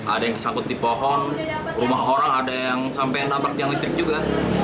ada yang sangkut di pohon rumah orang ada yang sampai nabrak janggut listrik juga